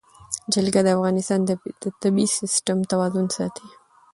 جلګه د افغانستان د طبعي سیسټم توازن ساتي.